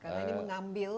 karena ini mengambil